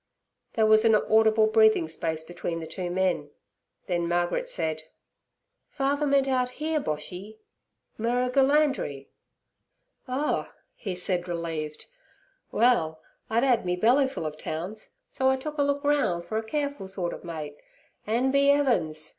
There was an audible breathing space between the two men, then Margaret said: 'Father meant out here, Boshy—Merrigulandri.' 'Oh' he said, relieved. 'Well, I'd 'ad me bellyfull of towns, so I took a look roun' fer a careful sort ov mate, an', be 'eavens!